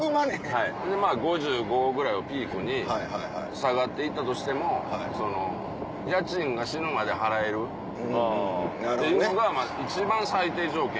はいほんでまぁ５５ぐらいをピークに下がっていったとしてもその家賃が死ぬまで払えるっていうのが一番最低条件